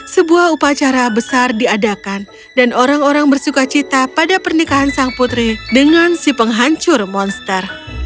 sebuah upacara besar diadakan dan orang orang bersuka cita pada pernikahan sang putri dengan si penghancur monster